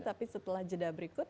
tapi setelah jeda berikut